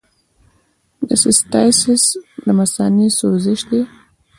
د سیسټایټس د مثانې سوزش دی.